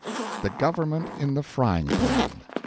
THE GOVERNMENT IN THE FRYING PAN.